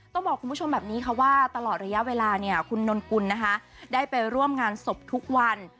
ต้องบอกคุณผู้ชมแบบนี้ค่ะว่าตลอดระยะเวลาเนี่ยคุณนนกุลนะคะได้ไปร่วมงานศพทุกวัน